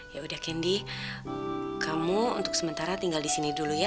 sampai jumpa di video selanjutnya